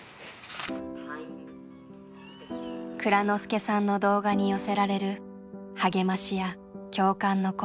蔵之介さんの動画に寄せられる励ましや共感の声。